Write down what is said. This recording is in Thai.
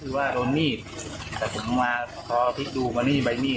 หรือว่าโดนนีดแต่ผมว่าเพราะพิษดูกว่านี่ใบนีด